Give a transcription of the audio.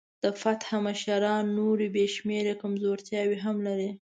د فتح مشران نورې بې شمېره کمزورتیاوې هم لري.